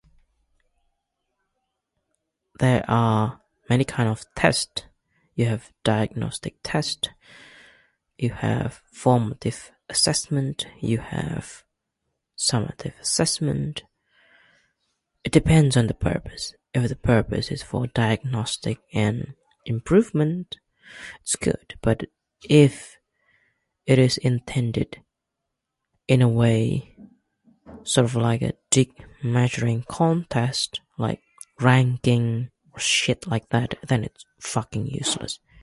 There are many kind of test, you have diagnostic test, you have formative assessment, you have summative assessment, it depends on the purpose. If the purpose is for diagnostic and improvement, scoot. But if it is intended in a way, sort of like a dick measuring contest, like ranting, or shit like that, it's fucking useless.